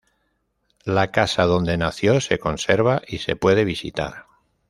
La casa donde nació se conserva y se puede visitar.